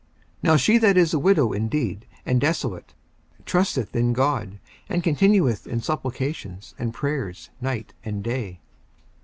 54:005:005 Now she that is a widow indeed, and desolate, trusteth in God, and continueth in supplications and prayers night and day.